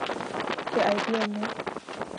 کہ I P L نے